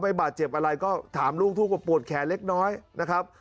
บาดเจ็บอะไรก็ถามลูกทุ่งว่าปวดแขนเล็กน้อยนะครับ